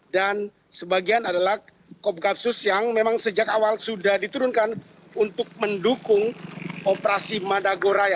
dan sebagian adalah kop gapsus yang memang sejak awal sudah diturunkan untuk mendukung operasi madagoraya